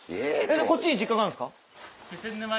こっちに実家があるんですか？